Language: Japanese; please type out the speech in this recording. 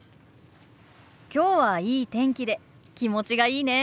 今日はいい天気で気持ちがいいね！